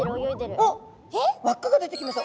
おっ輪っかが出てきました。